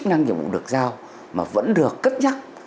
chức năng nhiệm vụ được giao mà vẫn được cất nhắc